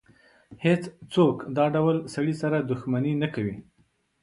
هېڅ څوک له دا ډول سړي سره دښمني نه کوي.